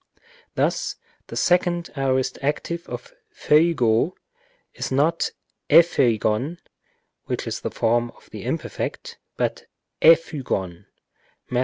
Thus the second aorist active of φεύγω is not ἔφευγον (which is the form of the imperfect) but ἔφυγον (Matt.